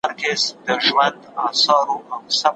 خوشحاله کسان د خفه خلکو په پرتله ډېر روغ صحت لري.